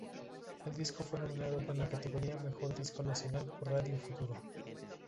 El disco fue nominado en la categoría Mejor Disco Nacional por Radio Futuro.